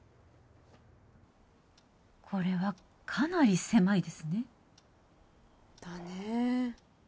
これはかなり狭いですねだね